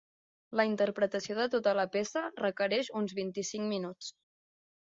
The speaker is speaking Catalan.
La interpretació de tota la peça requereix uns vint-i-cinc minuts.